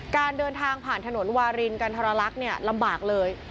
การเดินทางผ่านถนนวารินกันทรลักษณ์ลำบากเลย